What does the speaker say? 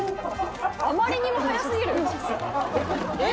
あまりにも速すぎる！えっ！？